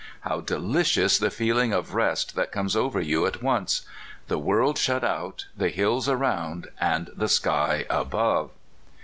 How delicious the feel ing of rest that comes over you at once ! the world shut out, the hills around, and the sky above.